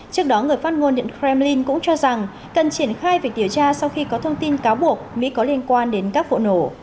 trước đó người phát ngôn điện kremlin cũng cho rằng cần triển khai việc điều tra sau khi có thông tin cáo buộc mỹ có liên quan đến các vụ nổ